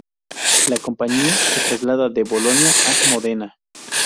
La compañía se traslada de Bolonia a Módena.